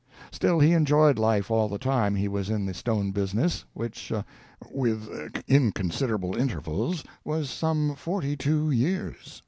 Still, he enjoyed life all the time he was in the stone business, which, with inconsiderable intervals, was some forty two years.